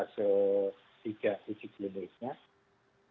sudah tercapai fase tiga